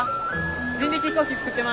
人力飛行機作ってます。